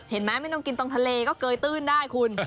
ไม่ต้องกินตรงทะเลก็เกยตื้นได้คุณ